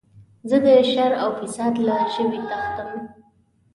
زه د شر او فساد له ژبې تښتم.